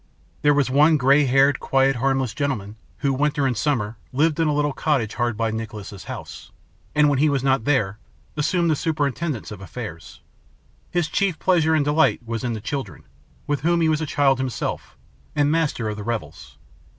There was one grey haired, quiet, harmless gentleman, who, winter and summer, lived in a little cottage hard by Nicholas's house, and, when he was not there, assumed the superintendence of affairs. His chief pleasure and delight was in the children, with whom he was a child himself, and master of the revels.